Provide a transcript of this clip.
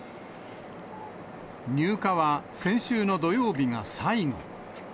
入荷は先週の土曜日が最後。